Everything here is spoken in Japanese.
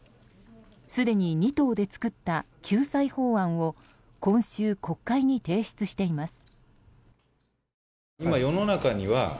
すでに２党で作った救済法案を今週、国会に提出しています。